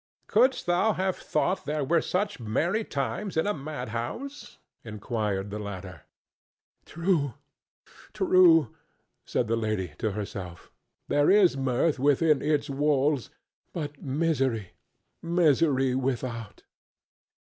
"Couldst thou have thought there were such merry times in a mad house?" inquired the latter. "True, true!" said the lady to herself; "there is mirth within its walls, but misery, misery without."